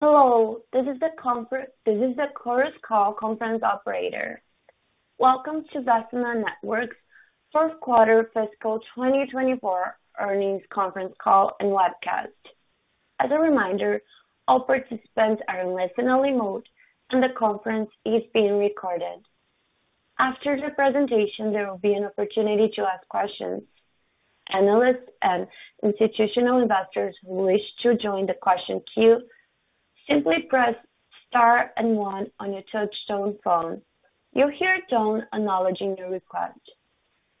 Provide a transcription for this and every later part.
Hello, this is the Chorus Call conference operator. Welcome to Vecima Networks' fourth quarter fiscal 2024 earnings conference call and webcast. As a reminder, all participants are in listen-only mode, and the conference is being recorded. After the presentation, there will be an opportunity to ask questions. Analysts and institutional investors who wish to join the question queue, simply press Star and One on your touchtone phone. You'll hear a tone acknowledging your request.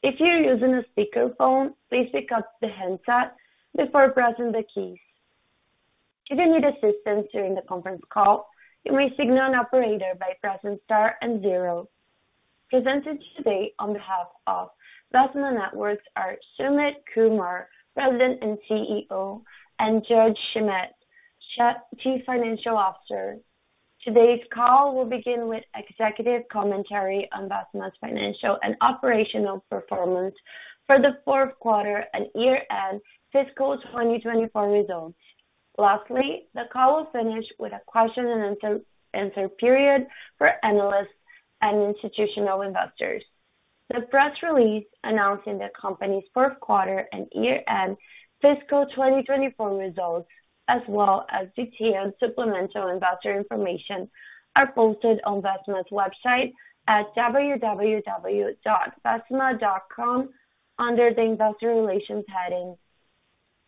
If you're using a speakerphone, please pick up the handset before pressing the keys. If you need assistance during the conference call, you may signal an operator by pressing Star and Zero. Presenting today on behalf of Vecima Networks are Sumit Kumar, President and CEO, and Judd Schmid, Chief Financial Officer. Today's call will begin with executive commentary on Vecima's financial and operational performance for the fourth quarter and year-end fiscal 2024 results. Lastly, the call will finish with a question and answer period for analysts and institutional investors. The press release announcing the company's fourth quarter and year-end fiscal 2024 results, as well as detailed supplemental investor information, are posted on Vecima's website at www.vecima.com under the Investor Relations heading.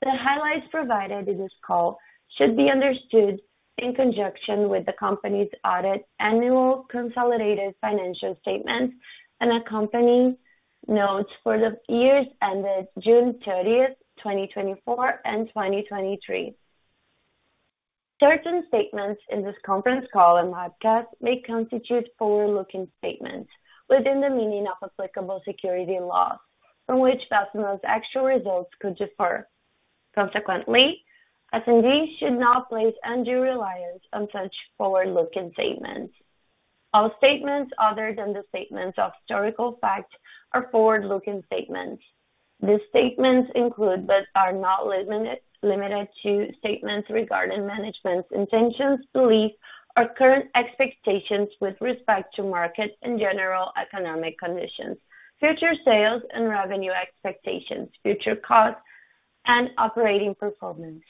The highlights provided in this call should be understood in conjunction with the company's audited annual consolidated financial statements and accompanying notes for the years ended June 30, 2024 and 2023. Certain statements in this conference call and webcast may constitute forward-looking statements within the meaning of applicable securities laws, from which Vecima's actual results could differ. Consequently, one should not place undue reliance on such forward-looking statements. All statements other than the statements of historical fact are forward-looking statements. These statements include, but are not limited to statements regarding management's intentions, beliefs, or current expectations with respect to markets and general economic conditions, future sales and revenue expectations, future costs and operating performance.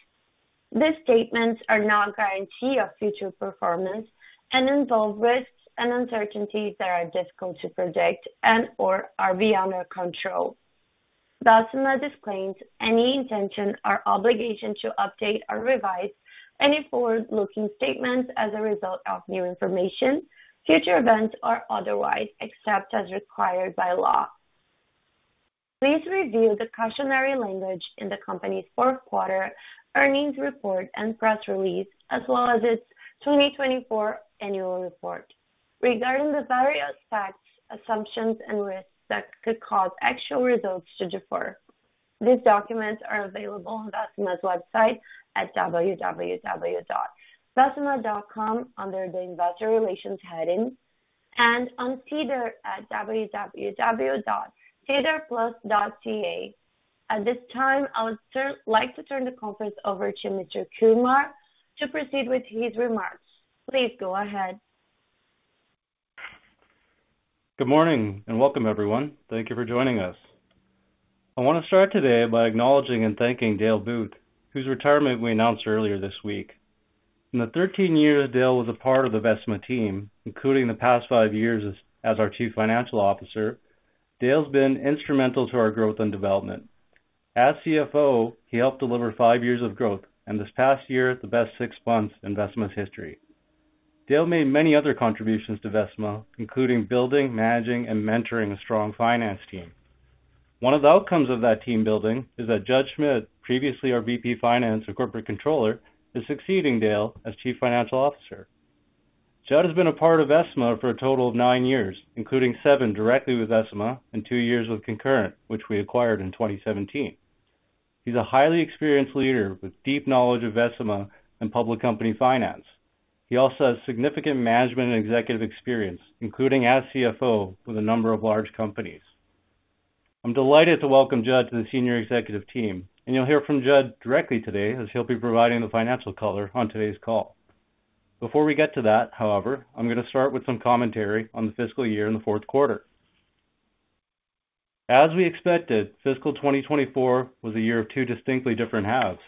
These statements are no guarantee of future performance and involve risks and uncertainties that are difficult to predict and/or are beyond our control. Vecima disclaims any intention or obligation to update or revise any forward-looking statements as a result of new information, future events, or otherwise, except as required by law. Please review the cautionary language in the company's fourth quarter earnings report and press release, as well as its 2024 annual report regarding the various facts, assumptions, and risks that could cause actual results to differ. These documents are available on Vecima's website at www.vecima.com, under the Investor Relations heading and on SEDAR+ at www.sedarplus.ca. At this time, I would like to turn the conference over to Mr. Kumar to proceed with his remarks. Please go ahead. Good morning, and welcome, everyone. Thank you for joining us. I want to start today by acknowledging and thanking Dale Booth, whose retirement we announced earlier this week. In the thirteen years Dale was a part of the Vecima team, including the past five years as our Chief Financial Officer, Dale's been instrumental to our growth and development. As CFO, he helped deliver five years of growth, and this past year, the best six months in Vecima's history. Dale made many other contributions to Vecima, including building, managing, and mentoring a strong finance team. One of the outcomes of that team-building is that Judd Schimett, previously our VP Finance or Corporate Controller, is succeeding Dale as Chief Financial Officer. Judd has been a part of Vecima for a total of nine years, including seven directly with Vecima and two years with Concurrent, which we acquired in 2017. He's a highly experienced leader with deep knowledge of Vecima and public company finance. He also has significant management and executive experience, including as CFO with a number of large companies. I'm delighted to welcome Judd to the senior executive team, and you'll hear from Judd directly today as he'll be providing the financial color on today's call. Before we get to that, however, I'm going to start with some commentary on the fiscal year and the fourth quarter. As we expected, fiscal 2024 was a year of two distinctly different halves.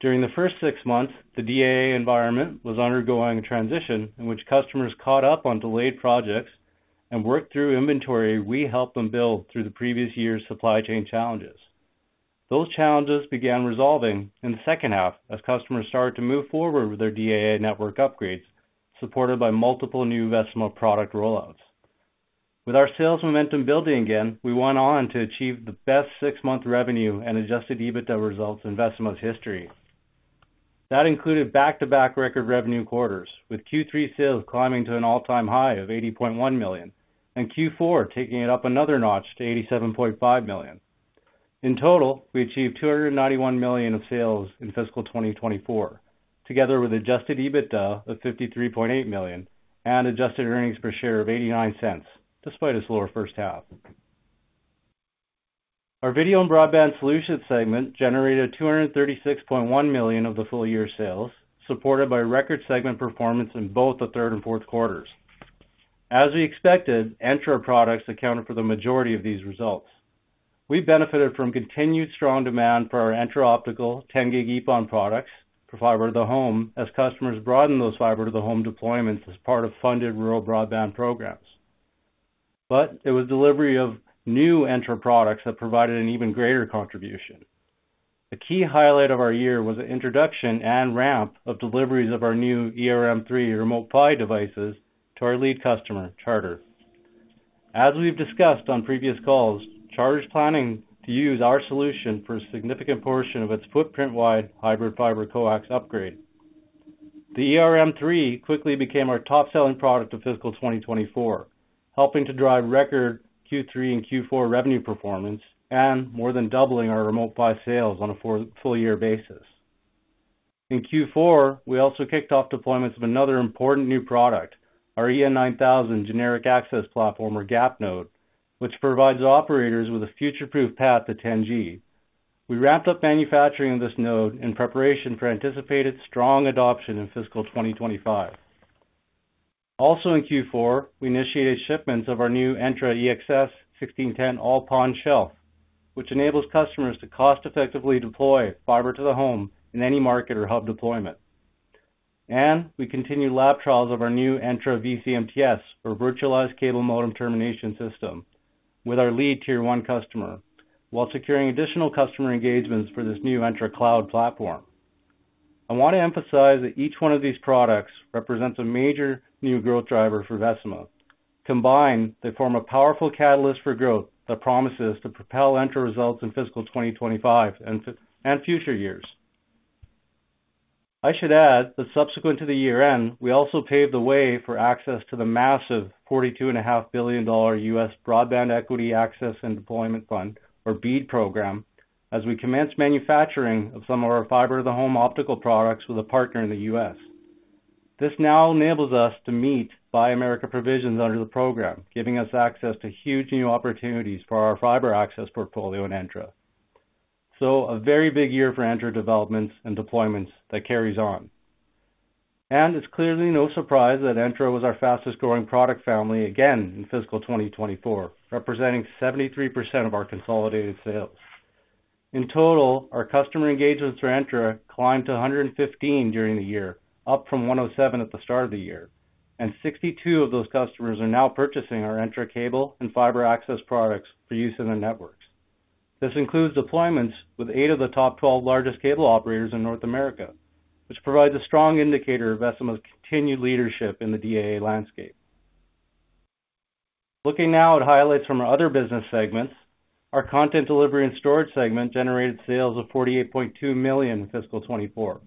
During the first six months, the DAA environment was undergoing a transition in which customers caught up on delayed projects and worked through inventory we helped them build through the previous year's supply chain challenges. Those challenges began resolving in the second half as customers started to move forward with their DAA network upgrades, supported by multiple new Vecima product rollouts. With our sales momentum building again, we went on to achieve the best six-month revenue and adjusted EBITDA results in Vecima's history. That included back-to-back record revenue quarters, with Q3 sales climbing to an all-time high of 80.1 million, and Q4 taking it up another notch to 87.5 million. In total, we achieved 291 million of sales in fiscal 2024, together with adjusted EBITDA of 53.8 million and adjusted earnings per share of 0.89, despite a slower first half.... Our video and broadband solutions segment generated 236.1 million of the full-year sales, supported by record segment performance in both the third and fourth quarters. As we expected, Entra products accounted for the majority of these results. We benefited from continued strong demand for our Entra optical 10 gig EPON products for fiber-to-the-home, as customers broaden those fiber-to-the-home deployments as part of funded rural broadband programs, but it was delivery of new Entra products that provided an even greater contribution. The key highlight of our year was the introduction and ramp of deliveries of our new ERM3 Remote PHY devices to our lead customer, Charter. As we've discussed on previous calls, Charter is planning to use our solution for a significant portion of its footprint-wide hybrid fiber-coax upgrade. The ERM3 quickly became our top-selling product of fiscal 2024, helping to drive record Q3 and Q4 revenue performance, and more than doubling our Remote PHY sales on a full year basis. In Q4, we also kicked off deployments of another important new product, our Entra EN9000 Generic Access Platform or GAP node, which provides operators with a future-proof path to 10G. We wrapped up manufacturing of this node in preparation for anticipated strong adoption in fiscal 2025. Also in Q4, we initiated shipments of our new Entra EXS1610 All-PON shelf, which enables customers to cost-effectively deploy Fiber to the Home in any market or hub deployment. And we continued lab trials of our new Entra VCMTS, or Virtualized Cable Modem Termination System, with our lead Tier 1 customer, while securing additional customer engagements for this new Entra cloud platform. I want to emphasize that each one of these products represents a major new growth driver for Vecima. Combined, they form a powerful catalyst for growth that promises to propel Entra results in fiscal 2025 and future years. I should add that subsequent to the year-end, we also paved the way for access to the massive $42.5 billion U.S. Broadband Equity Access and Deployment Fund, or BEAD program, as we commenced manufacturing of some of our fiber-to-the-home optical products with a partner in the U.S. This now enables us to meet Buy America provisions under the program, giving us access to huge new opportunities for our fiber access portfolio in Entra. So a very big year for Entra developments and deployments that carries on. And it's clearly no surprise that Entra was our fastest-growing product family again in fiscal 2024, representing 73% of our consolidated sales. In total, our customer engagements for Entra climbed to 115 during the year, up from 107 at the start of the year, and 62 of those customers are now purchasing our Entra cable and fiber access products for use in their networks. This includes deployments with eight of the top 12 largest cable operators in North America, which provides a strong indicator of Vecima's continued leadership in the DAA landscape. Looking now at highlights from our other business segments, our content delivery and storage segment generated sales of 48.2 million in fiscal 2024.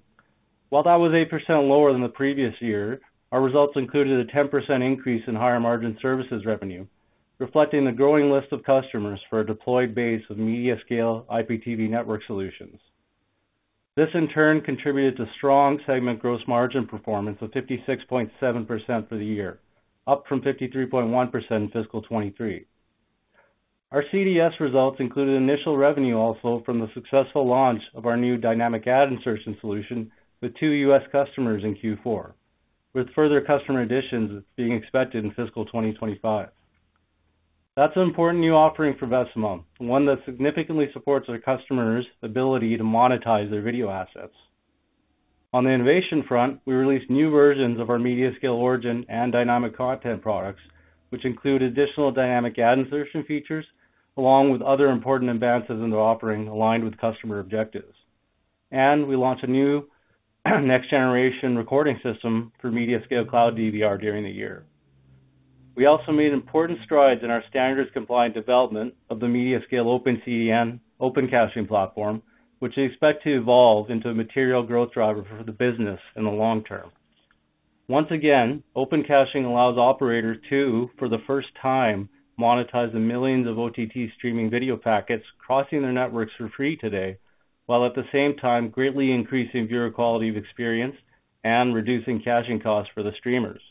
While that was 8% lower than the previous year, our results included a 10% increase in higher-margin services revenue, reflecting the growing list of customers for a deployed base of MediaScale IPTV network solutions. This, in turn, contributed to strong segment gross margin performance of 56.7% for the year, up from 53.1% in fiscal 2023. Our CDS results included initial revenue also from the successful launch of our new dynamic ad insertion solution with two U.S. customers in Q4, with further customer additions being expected in fiscal 2025. That's an important new offering for Vecima, one that significantly supports our customers' ability to monetize their video assets. On the innovation front, we released new versions of our MediaScale Origin and Dynamic Content products, which include additional dynamic ad insertion features, along with other important advances in the offering aligned with customer objectives. And we launched a new next-generation recording system for MediaScale Cloud DVR during the year. We also made important strides in our standards-compliant development of the MediaScale Open CDN, Open Caching platform, which we expect to evolve into a material growth driver for the business in the long term. Once again, Open Caching allows operators to, for the first time, monetize the millions of OTT streaming video packets crossing their networks for free today, while at the same time greatly increasing viewer quality of experience and reducing caching costs for the streamers.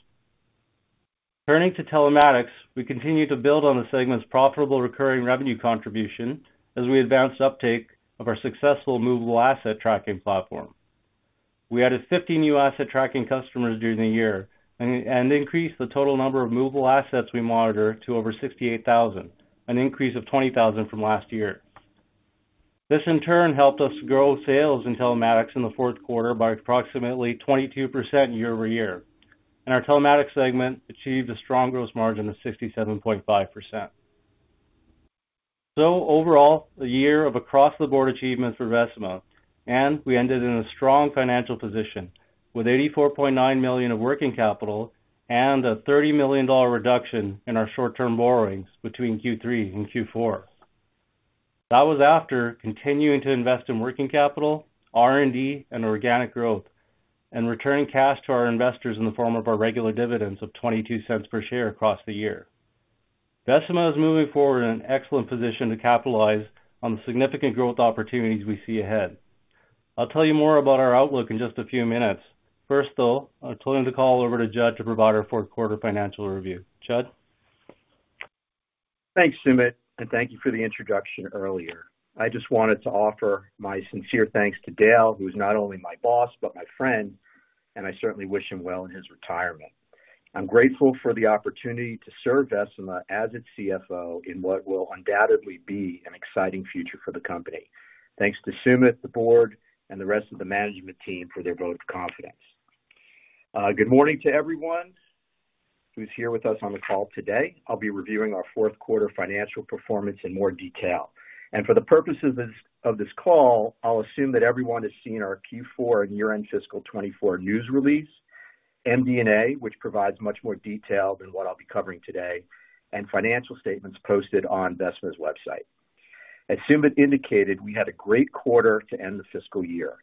Turning to telematics, we continue to build on the segment's profitable recurring revenue contribution as we advance uptake of our successful movable asset tracking platform. We added 15 new asset tracking customers during the year and increased the total number of movable assets we monitor to over 68,000, an increase of 20,000 from last year. This, in turn, helped us grow sales in telematics in the fourth quarter by approximately 22% year over year, and our telematics segment achieved a strong gross margin of 67.5%. So overall, a year of across-the-board achievements for Vecima, and we ended in a strong financial position with 84.9 million of working capital and a 30 million dollar reduction in our short-term borrowings between Q3 and Q4. That was after continuing to invest in working capital, R&D, and organic growth, and returning cash to our investors in the form of our regular dividends of 0.22 per share across the year. Vecima is moving forward in an excellent position to capitalize on the significant growth opportunities we see ahead. I'll tell you more about our outlook in just a few minutes. First, though, I'll turn the call over to Judd to provide our fourth quarter financial review. Judd? Thanks, Sumit, and thank you for the introduction earlier. I just wanted to offer my sincere thanks to Dale, who is not only my boss, but my friend, and I certainly wish him well in his retirement. I'm grateful for the opportunity to serve Vecima as its CFO in what will undoubtedly be an exciting future for the company. Thanks to Sumit, the board, and the rest of the management team for their vote of confidence. Good morning to everyone who's here with us on the call today. I'll be reviewing our fourth quarter financial performance in more detail. And for the purposes of this call, I'll assume that everyone has seen our Q4 and year-end fiscal 2024 news release, MD&A, which provides much more detail than what I'll be covering today, and financial statements posted on Vecima's website. As Sumit indicated, we had a great quarter to end the fiscal year.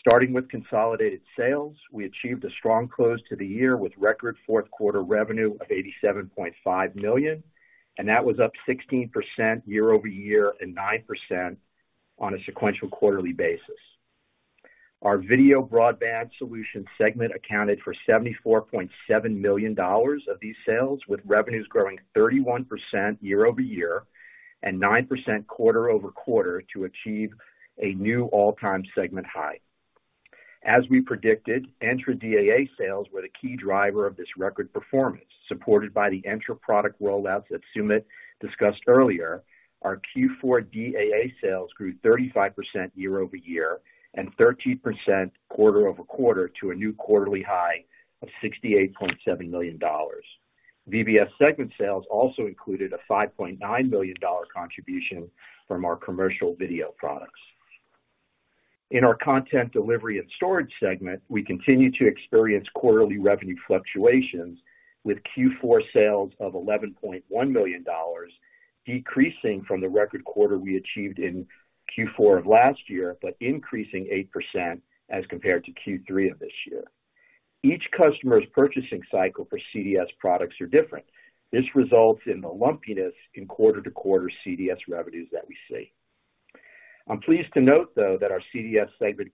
Starting with consolidated sales, we achieved a strong close to the year with record fourth quarter revenue of 87.5 million, and that was up 16% year over year and 9% on a sequential quarterly basis. Our video broadband solution segment accounted for 74.7 million dollars of these sales, with revenues growing 31% year over year and 9% quarter over quarter to achieve a new all-time segment high. As we predicted, Entra DAA sales were the key driver of this record performance, supported by the Entra product rollouts that Sumit discussed earlier. Our Q4 DAA sales grew 35% year over year and 13% quarter over quarter to a new quarterly high of 68.7 million dollars. VBS segment sales also included a 5.9 million dollar contribution from our commercial video products. In our content delivery and storage segment, we continue to experience quarterly revenue fluctuations, with Q4 sales of 11.1 million dollars, decreasing from the record quarter we achieved in Q4 of last year, but increasing 8% as compared to Q3 of this year. Each customer's purchasing cycle for CDS products are different. This results in the lumpiness in quarter-to-quarter CDS revenues that we see. I'm pleased to note, though, that our CDS segment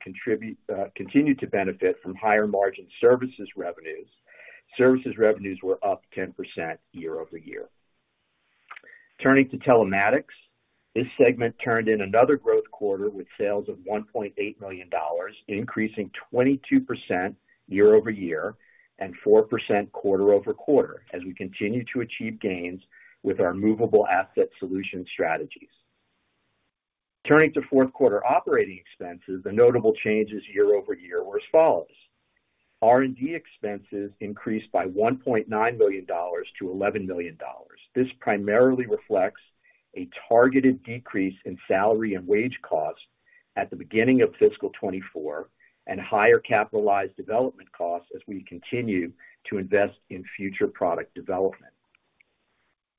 continued to benefit from higher-margin services revenues. Services revenues were up 10% year over year. Turning to telematics, this segment turned in another growth quarter with sales of 1.8 million dollars, increasing 22% year over year and 4% quarter over quarter, as we continue to achieve gains with our movable asset solution strategies. Turning to fourth quarter operating expenses, the notable changes year over year were as follows: R&D expenses increased by 1.9 million-11 million dollars. This primarily reflects a targeted decrease in salary and wage costs at the beginning of fiscal 2024 and higher capitalized development costs as we continue to invest in future product development.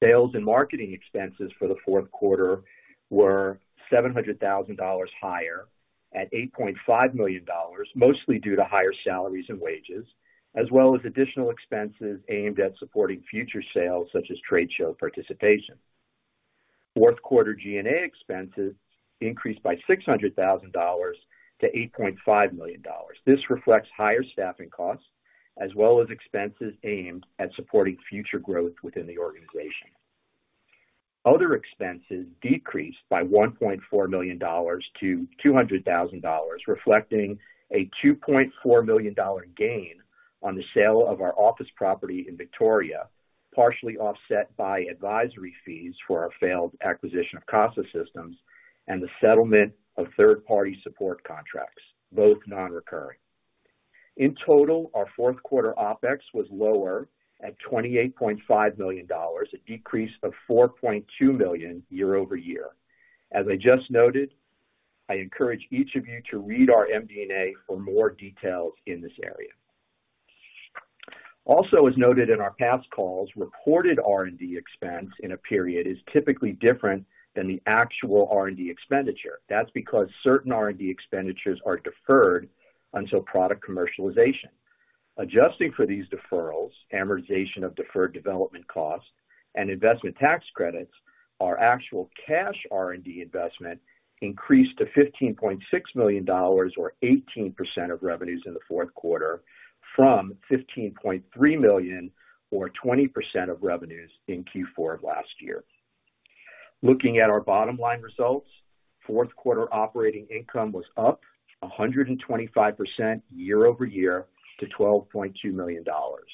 Sales and marketing expenses for the fourth quarter were 700,000 dollars higher at 8.5 million dollars, mostly due to higher salaries and wages, as well as additional expenses aimed at supporting future sales, such as trade show participation. Fourth quarter G&A expenses increased by 600,000-8.5 million dollars. This reflects higher staffing costs, as well as expenses aimed at supporting future growth within the organization. Other expenses decreased by 1.4 million-200,000 dollars, reflecting a 2.4 million dollar gain on the sale of our office property in Victoria, partially offset by advisory fees for our failed acquisition of Casa Systems and the settlement of third-party support contracts, both non-recurring. In total, our fourth quarter OpEx was lower, at 28.5 million dollars, a decrease of 4.2 million year-over-year. As I just noted, I encourage each of you to read our MD&A for more details in this area. Also, as noted in our past calls, reported R&D expense in a period is typically different than the actual R&D expenditure. That's because certain R&D expenditures are deferred until product commercialization. Adjusting for these deferrals, amortization of deferred development costs and investment tax credits, our actual cash R&D investment increased to 15.6 million dollars, or 18% of revenues in the fourth quarter, from 15.3 million, or 20% of revenues in Q4 of last year. Looking at our bottom line results, fourth quarter operating income was up 125% year over year to 12.2 million dollars.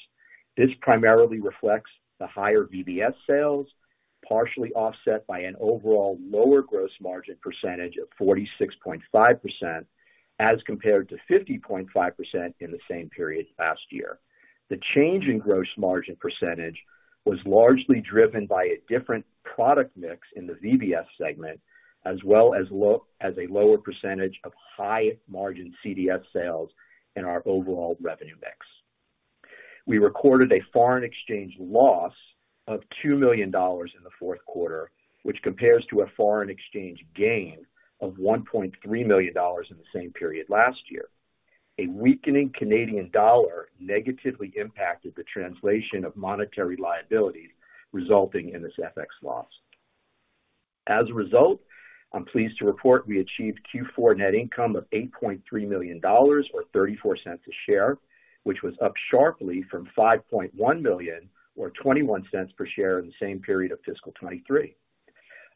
This primarily reflects the higher VBS sales, partially offset by an overall lower gross margin percentage of 46.5%, as compared to 50.5% in the same period last year. The change in gross margin percentage was largely driven by a different product mix in the VBS segment, as well as a lower percentage of high-margin CDS sales in our overall revenue mix. We recorded a foreign exchange loss of 2 million dollars in the fourth quarter, which compares to a foreign exchange gain of 1.3 million dollars in the same period last year. A weakening Canadian dollar negatively impacted the translation of monetary liabilities, resulting in this FX loss. As a result, I'm pleased to report we achieved Q4 net income of 8.3 million dollars, or 0.34 per share, which was up sharply from 5.1 million, or 0.21 per share, in the same period of fiscal 2023.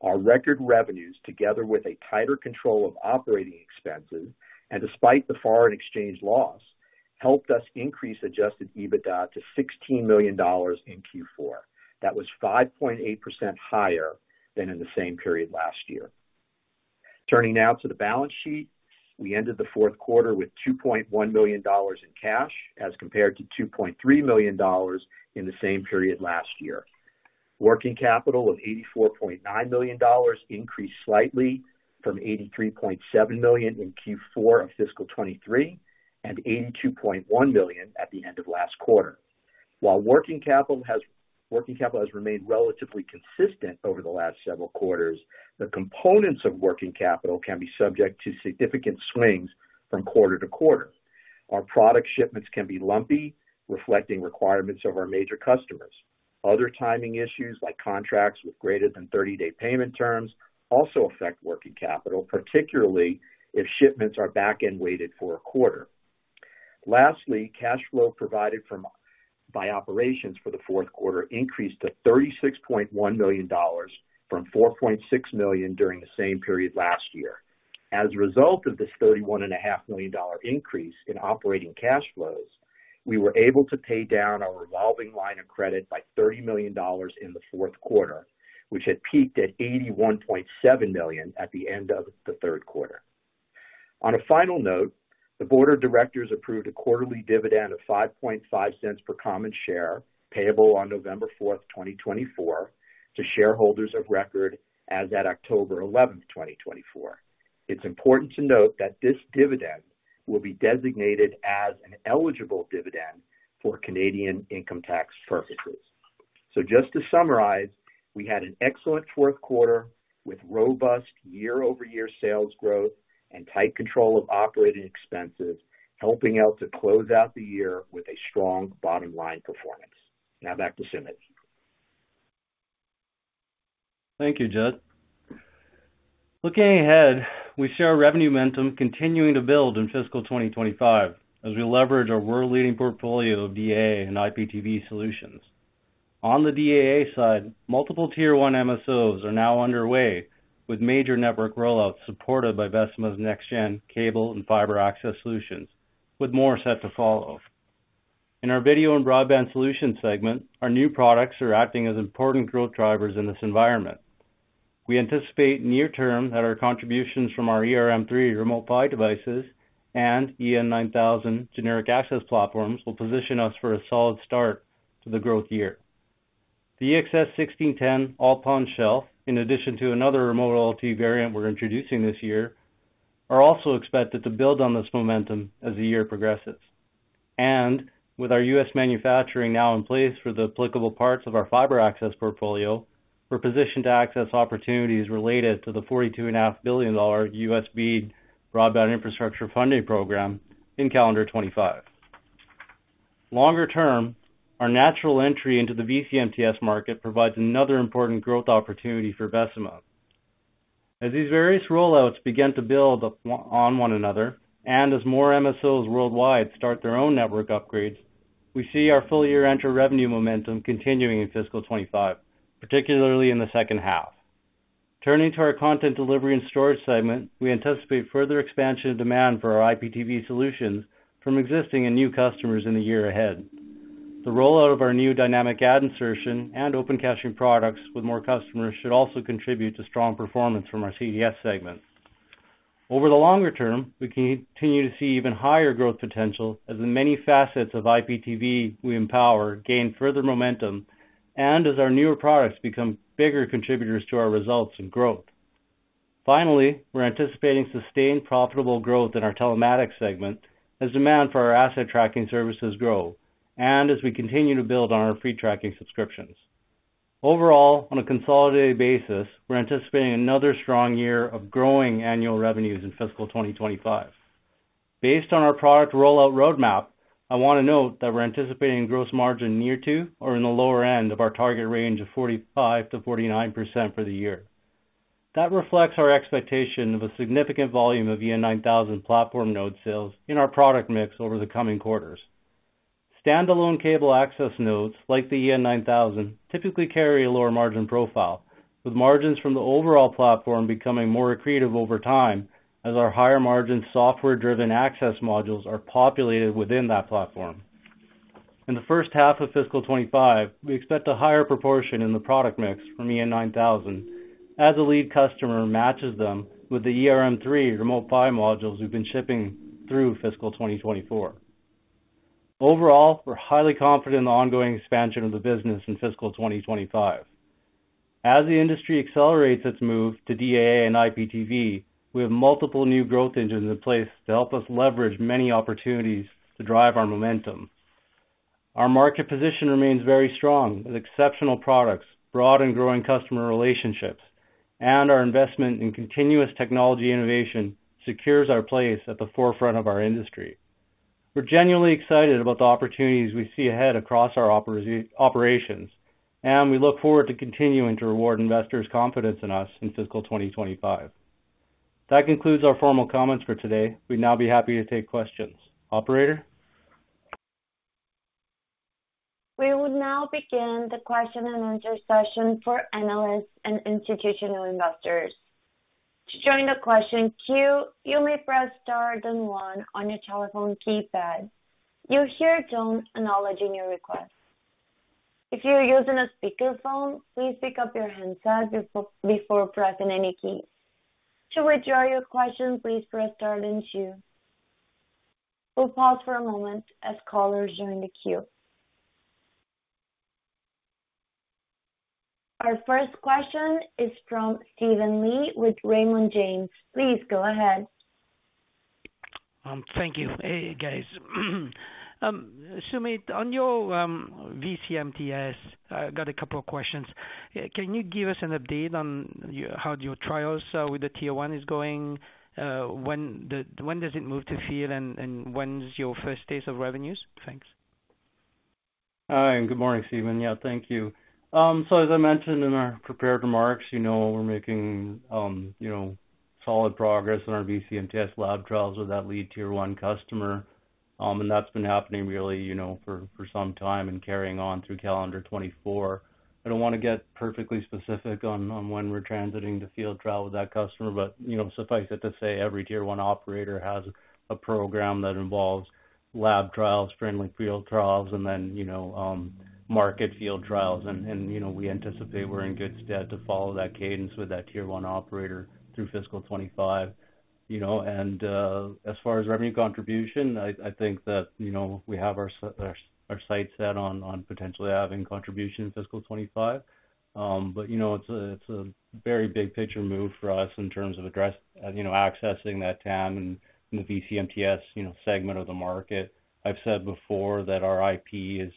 Our record revenues, together with a tighter control of operating expenses, and despite the foreign exchange loss, helped us increase Adjusted EBITDA to 16 million dollars in Q4. That was 5.8% higher than in the same period last year. Turning now to the balance sheet. We ended the fourth quarter with 2.1 million dollars in cash, as compared to 2.3 million dollars in the same period last year. Working capital of 84.9 million dollars increased slightly from 83.7 million in Q4 of fiscal 2023, and 82.1 million at the end of last quarter. While working capital has remained relatively consistent over the last several quarters, the components of working capital can be subject to significant swings from quarter to quarter. Our product shipments can be lumpy, reflecting requirements of our major customers. Other timing issues, like contracts with greater than 30-day payment terms, also affect working capital, particularly if shipments are back-end weighted for a quarter. Lastly, cash flow provided by operations for the fourth quarter increased to 36.1 million dollars from 4.6 million during the same period last year. As a result of this 31.5 million dollar increase in operating cash flows, we were able to pay down our revolving line of credit by 30 million dollars in the fourth quarter, which had peaked at 81.7 million at the end of the third quarter. On a final note, the board of directors approved a quarterly dividend of 0.055 per common share, payable on November fourth, 2024, to shareholders of record as at October 11th, 2024. It's important to note that this dividend will be designated as an eligible dividend for Canadian income tax purposes. So just to summarize, we had an excellent fourth quarter with robust year-over-year sales growth and tight control of operating expenses, helping out to close out the year with a strong bottom line performance. Now back to Sumit. Thank you, Judd. Looking ahead, we see our revenue momentum continuing to build in fiscal 2025 as we leverage our world-leading portfolio of DAA and IPTV solutions. On the DAA side, multiple Tier One MSOs are now underway, with major network rollouts supported by Vecima's next-gen cable and fiber access solutions, with more set to follow. In our video and broadband solutions segment, our new products are acting as important growth drivers in this environment. We anticipate near term that our contributions from our ERM3 Remote PHY devices and EN9000 Generic Access Platforms will position us for a solid start to the growth year. The EXS1610 All-PON shelf, in addition to another Remote OLT variant we're introducing this year, are also expected to build on this momentum as the year progresses. With our U.S. manufacturing now in place for the applicable parts of our fiber access portfolio, we're positioned to access opportunities related to the $42.5 billion BEAD program in calendar 2025. Longer term, our natural entry into the VCMTS market provides another important growth opportunity for Vecima. As these various rollouts begin to build up on one another, and as more MSOs worldwide start their own network upgrades, we see our full-year Entra revenue momentum continuing in fiscal 2025, particularly in the second half. Turning to our content delivery and storage segment, we anticipate further expansion and demand for our IPTV solutions from existing and new customers in the year ahead. The rollout of our new dynamic ad insertion and open caching products with more customers should also contribute to strong performance from our CDS segment. Over the longer term, we continue to see even higher growth potential as the many facets of IPTV we empower gain further momentum and as our newer products become bigger contributors to our results and growth. Finally, we're anticipating sustained profitable growth in our telematics segment as demand for our asset tracking services grow and as we continue to build on our free tracking subscriptions. Overall, on a consolidated basis, we're anticipating another strong year of growing annual revenues in fiscal 2025. Based on our product rollout roadmap, I want to note that we're anticipating gross margin near to or in the lower end of our target range of 45%-49% for the year. That reflects our expectation of a significant volume of EN9000 platform node sales in our product mix over the coming quarters. Standalone cable access nodes, like the Entra EN9000, typically carry a lower margin profile, with margins from the overall platform becoming more accretive over time as our higher-margin, software-driven access modules are populated within that platform. In the first half of fiscal 2025, we expect a higher proportion in the product mix from Entra EN9000 as the lead customer matches them with the Entra ERM3 Remote PHY modules we've been shipping through fiscal 2024. Overall, we're highly confident in the ongoing expansion of the business in fiscal 2025. As the industry accelerates its move to DAA and IPTV, we have multiple new growth engines in place to help us leverage many opportunities to drive our momentum. Our market position remains very strong, with exceptional products, broad and growing customer relationships, and our investment in continuous technology innovation secures our place at the forefront of our industry. We're genuinely excited about the opportunities we see ahead across our operations, and we look forward to continuing to reward investors' confidence in us in fiscal 2025. That concludes our formal comments for today. We'd now be happy to take questions. Operator? We will now begin the question and answer session for analysts and institutional investors. To join the question queue, you may press star then one on your telephone keypad. You'll hear a tone acknowledging your request. If you're using a speakerphone, please pick up your handset before pressing any keys. To withdraw your question, please press star then two. We'll pause for a moment as callers join the queue. Our first question is from Steven Li with Raymond James. Please go ahead. Thank you. Hey, guys. Sumit, on your VCMTS, I got a couple of questions. Can you give us an update on how your trials with the Tier One is going? When does it move to field, and when is your first stage of revenues? Thanks. Hi, and good morning, Steven. Yeah, thank you. So as I mentioned in our prepared remarks, you know, we're making, you know, solid progress on our VCMTS lab trials with that lead Tier One customer. And that's been happening really, you know, for some time and carrying on through calendar 2024. I don't want to get perfectly specific on when we're transitioning the field trial with that customer, but, you know, suffice it to say, every Tier One operator has a program that involves lab trials, friendly field trials, and then, you know, market field trials. And, you know, we anticipate we're in good stead to follow that cadence with that Tier One operator through fiscal 2025. You know, and as far as revenue contribution, I think that, you know, we have our sights set on potentially having contribution in fiscal 2025. But, you know, it's a very big picture move for us in terms of addressing, you know, accessing that TAM and the VCMTS segment of the market. I've said before that our IP is,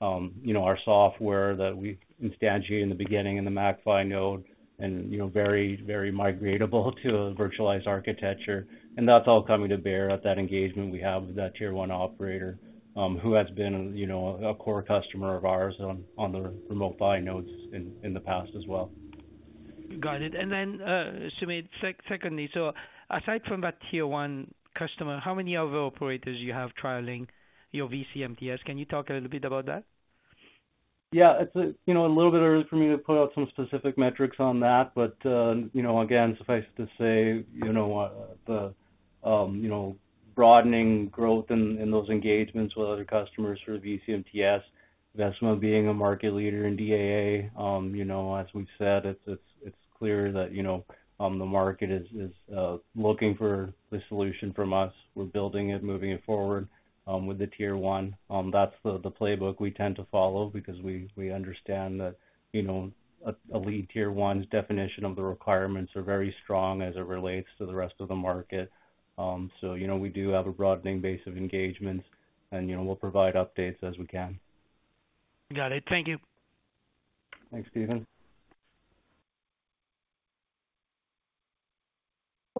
you know, our software that we've instantiated in the beginning in the MACPHY node, and, you know, very migratable to a virtualized architecture. And that's all coming to bear at that engagement we have with that Tier 1 operator, who has been, you know, a core customer of ours on the remote PHY nodes in the past as well. Got it. And then, Sumit, secondly, so aside from that Tier 1 customer, how many other operators you have trialing your VCMTS? Can you talk a little bit about that? Yeah, it's, you know, a little bit early for me to put out some specific metrics on that. But, you know, again, suffice to say, you know, the broadening growth in those engagements with other customers for VCMTS, Vecima being a market leader in DAA, as we've said, it's clear that, you know, the market is looking for the solution from us. We're building it, moving it forward, with the Tier One. That's the playbook we tend to follow because we understand that, you know, a lead Tier One's definition of the requirements are very strong as it relates to the rest of the market. So, you know, we do have a broadening base of engagements, and, you know, we'll provide updates as we can. Got it. Thank you. Thanks, Steven.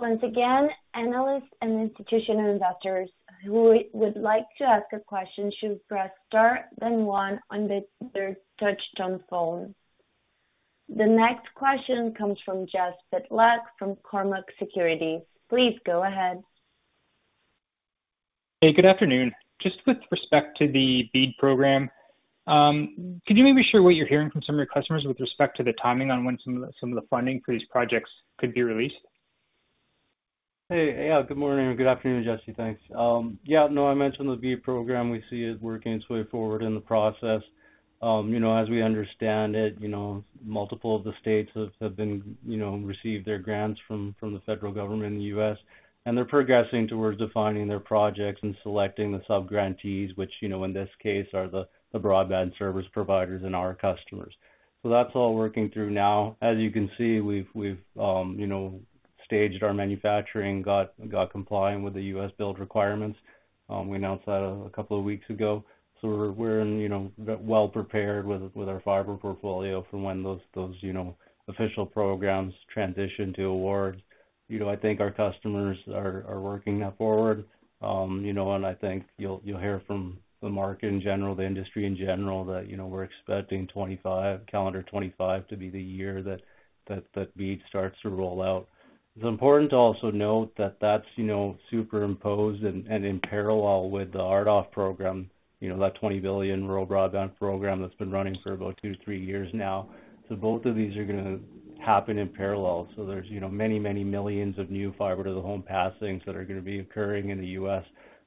Once again, analysts and institutional investors who would like to ask a question should press star then one on the touchtone phone. The next question comes from Jesse Pytlak from Cormark Securities. Please go ahead. Hey, good afternoon. Just with respect to the BEAD program, can you maybe share what you're hearing from some of your customers with respect to the timing on when some of the funding for these projects could be released? Hey, yeah, good morning, or good afternoon, Jesse. Thanks. Yeah, no, I mentioned the BEAD program. We see it working its way forward in the process. You know, as we understand it, you know, multiple of the states have received their grants from the federal government in the U.S., and they're progressing towards defining their projects and selecting the sub-grantees, which, you know, in this case, are the broadband service providers and our customers. So that's all working through now. As you can see, we've staged our manufacturing, got compliant with the U.S. build requirements. We announced that a couple of weeks ago, so we're well prepared with our fiber portfolio for when those official programs transition to awards. You know, I think our customers are working that forward. You know, and I think you'll hear from the market in general, the industry in general, that, you know, we're expecting 2025, calendar 2025 to be the year that BEAD starts to roll out. It's important to also note that that's, you know, superimposed and in parallel with the RDOF program, you know, that $20 billion rural broadband program that's been running for about 2 to 3 years now. So both of these are gonna happen in parallel. So there's, you know, many millions of new fiber to the home passings that are gonna be occurring in the U.S.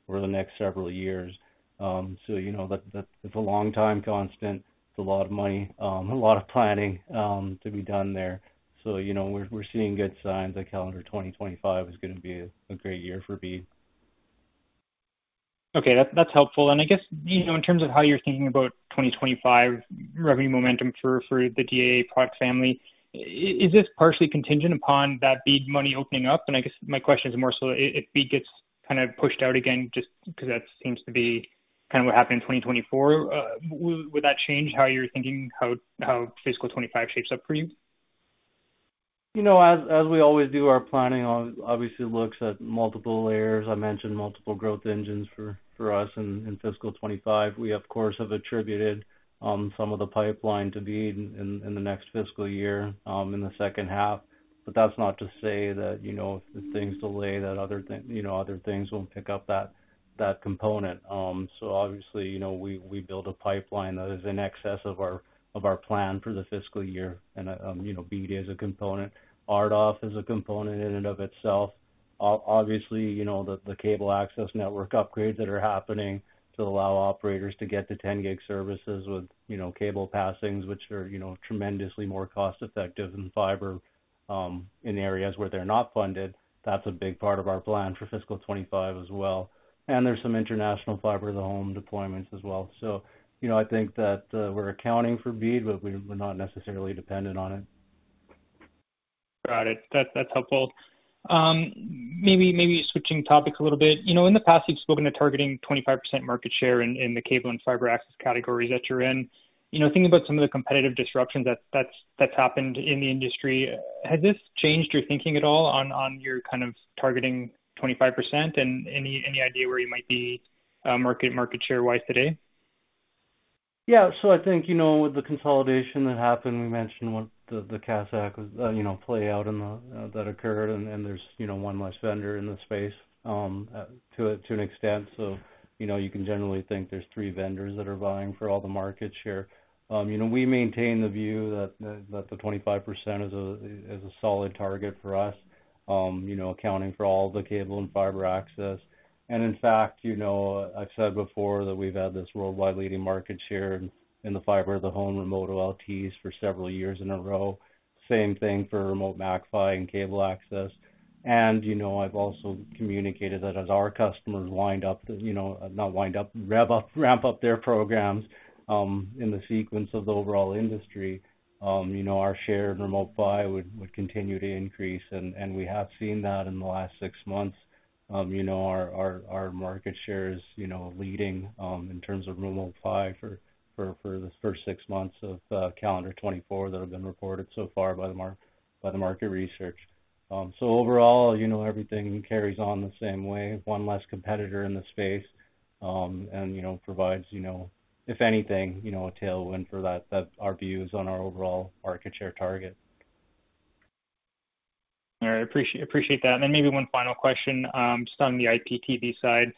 over the next several years. So, you know, that, that's a long time constant. It's a lot of money, a lot of planning, to be done there. You know, we're seeing good signs that calendar 2025 is gonna be a great year for BEAD. Okay, that's helpful. And I guess, you know, in terms of how you're thinking about 2025 revenue momentum for, for the DAA product family, is this partially contingent upon that BEAD money opening up? And I guess my question is more so, if BEAD gets kind of pushed out again, just because that seems to be kind of what happened in 2024, would that change how you're thinking, how, how fiscal 2025 shapes up for you? .You know, as we always do, our planning obviously looks at multiple layers. I mentioned multiple growth engines for us in fiscal 2025. We, of course, have attributed some of the pipeline to BEAD in the next fiscal year in the second half. But that's not to say that, you know, if things delay, that other thing, you know, other things won't pick up that component. So obviously, you know, we build a pipeline that is in excess of our plan for the fiscal year, and you know, BEAD is a component. RDOF is a component in and of itself. Obviously, you know, the cable access network upgrades that are happening to allow operators to get to ten gig services with, you know, cable passings, which are, you know, tremendously more cost-effective than fiber in areas where they're not funded. That's a big part of our plan for fiscal 2025 as well. And there's some international fiber to home deployments as well. So, you know, I think that we're accounting for BEAD, but we're not necessarily dependent on it. Got it. That, that's helpful. Maybe switching topics a little bit. You know, in the past, you've spoken to targeting 25% market share in the cable and fiber access categories that you're in. You know, thinking about some of the competitive disruptions that's happened in the industry, has this changed your thinking at all on your kind of targeting 25%? And any idea where you might be market share-wise today? Yeah. So I think, you know, with the consolidation that happened, we mentioned what the Casa acquisition, you know, play out in the end that occurred, and, and there's, you know, one less vendor in the space, to an extent. So, you know, you can generally think there's three vendors that are vying for all the market share. You know, we maintain the view that the 25% is a solid target for us, you know, accounting for all the cable and fiber access. And in fact, you know, I've said before that we've had this worldwide leading market share in the fiber to the home remote OLTs for several years in a row. Same thing for remote MAC PHY and cable access. You know, I've also communicated that as our customers rev up, ramp up their programs in the sequence of the overall industry, you know, our share in Remote PHY would continue to increase, and we have seen that in the last six months. You know, our market share is leading in terms of Remote PHY for the first six months of calendar 2024 that have been reported so far by the market research. So overall, you know, everything carries on the same way, one less competitor in the space, and you know, provides, if anything, a tailwind for that. That's our views on our overall market share target. All right, appreciate, appreciate that. And then maybe one final question, just on the IPTV side.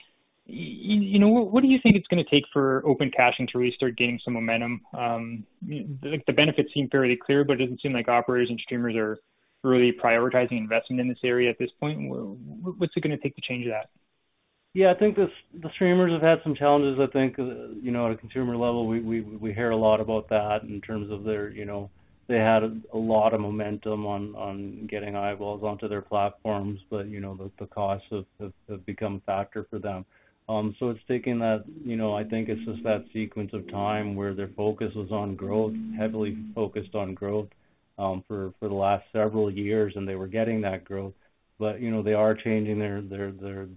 You know, what do you think it's gonna take for open caching to restart gaining some momentum? Like, the benefits seem fairly clear, but it doesn't seem like operators and streamers are really prioritizing investment in this area at this point. What's it gonna take to change that? Yeah, I think the streamers have had some challenges. I think, you know, at a consumer level, we hear a lot about that in terms of their, you know, they had a lot of momentum on getting eyeballs onto their platforms, but, you know, the costs have become a factor for them. So it's taking that, you know, I think it's just that sequence of time where their focus was on growth, heavily focused on growth, for the last several years, and they were getting that growth. But, you know, they are changing their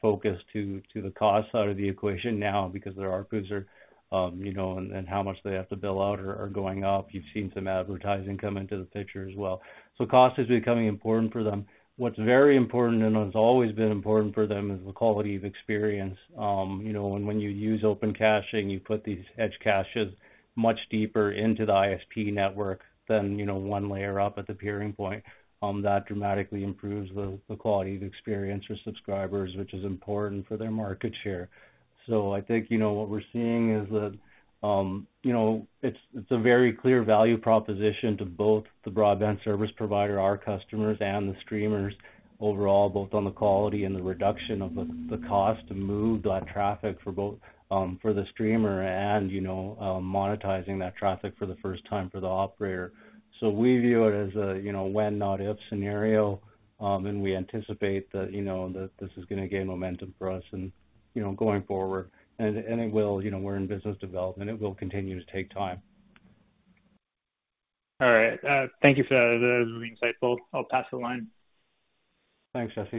focus to the cost side of the equation now because their ARPU, you know, and how much they have to bill out are going up. You've seen some advertising come into the picture as well. So cost is becoming important for them. What's very important, and it's always been important for them, is the quality of experience. You know, when you use open caching, you put these edge caches much deeper into the ISP network than, you know, one layer up at the peering point, that dramatically improves the quality of experience for subscribers, which is important for their market share. So I think, you know, what we're seeing is that, you know, it's a very clear value proposition to both the broadband service provider, our customers, and the streamers overall, both on the quality and the reduction of the cost to move that traffic for both, for the streamer and, you know, monetizing that traffic for the first time for the operator. So we view it as a, you know, when, not if, scenario, and we anticipate that, you know, that this is gonna gain momentum for us and, you know, going forward. And it will... You know, we're in business development, it will continue to take time. All right, thank you, sir. That was insightful. I'll pass the line. Thanks, Jesse.